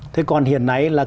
thế còn hiện nay là